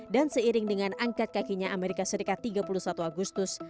dan seiring dengan angkat kakinya amerika serikat tiga puluh satu agustus